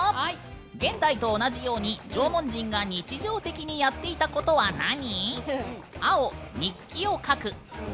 現代と同じように縄文人が日常的にやっていたことは何？